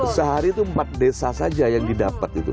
sehari itu empat desa saja yang didapat itu